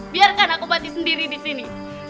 biarkan aku berhenti sendiri disini